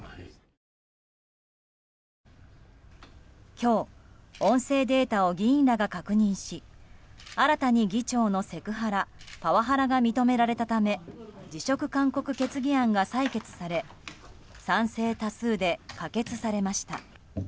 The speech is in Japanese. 今日、音声データを議員らが確認し新たに議長のセクハラパワハラが認められたため辞職勧告決議案が採決され賛成多数で可決されました。